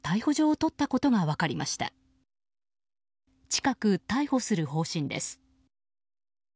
近く逮捕する方針です。